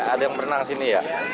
iya ada yang berenang di sini